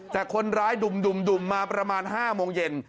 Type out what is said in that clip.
แต่คนร้ายดุ่มมาประมาณ๕โมงเย็น